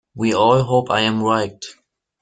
We all hope I am right.